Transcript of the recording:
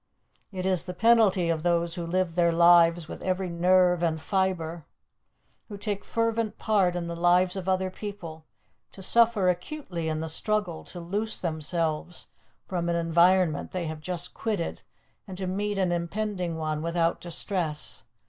It is the penalty of those who live their lives with every nerve and fibre, who take fervent part in the lives of other people, to suffer acutely in the struggle to loose themselves from an environment they have just quitted, and to meet an impending one without distress.